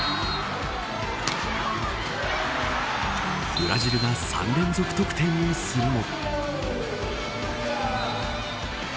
ブラジルが３連続得点をするも。